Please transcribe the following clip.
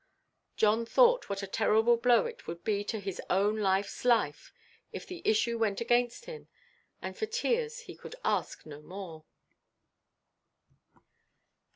John thought what a terrible blow it would be to his own lifeʼs life, if the issue went against him, and for tears he could ask no more.